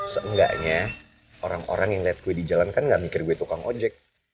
seenggaknya orang orang yang lihat gue di jalan kan gak mikir gue tukang ojek